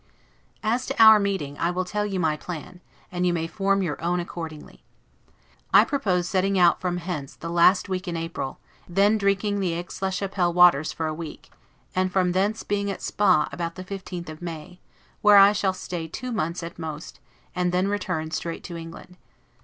As to our meeting, I will tell you my plan, and you may form your own accordingly. I propose setting out from hence the last week in April, then drinking the Aix la Chapelle waters for a week, and from thence being at Spa about the 15th of May, where I shall stay two months at most, and then return straight to England.